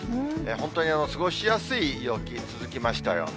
本当に過ごしやすい陽気、続きましたよね。